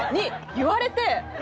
言われて。